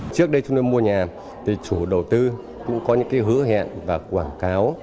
trước đây trung cư mua nhà thì chủ đầu tư cũng có những hứa hẹn và quảng cáo